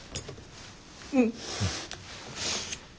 うん。